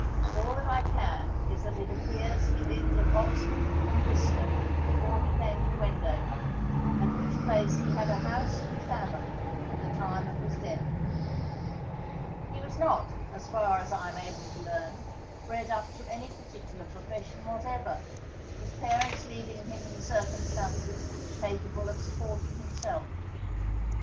All that I can is that it appears he lived at Oxford and Bicester before he came to Wendover, at which place he had a house and family at the time of his death. He was not, as far as I am able to learn, bred up to any particular profession whatever, his parents leaving him in circumstances capable of supporting himself.